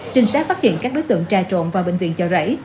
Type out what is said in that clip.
trinh sát phát hiện các đối tượng trà trộn vào bệnh viện chợ rẫy